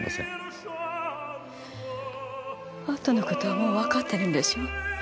あとの事はもうわかってるんでしょう？